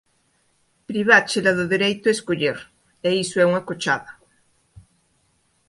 Priváchela do dereito a escoller, e iso é unha cochada.